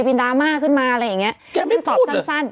เป็นดราม่าขึ้นมาอะไรอย่างเงี้ย